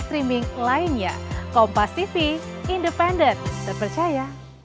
streaming lainnya kompas tv independen terpercaya